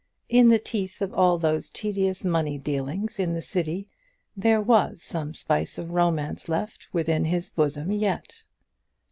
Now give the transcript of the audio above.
In the teeth of all those tedious money dealings in the City there was some spice of romance left within his bosom yet!